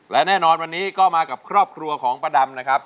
และแน่นอนวันนี้ก็มากับครอบครัวของป้าดำนะครับ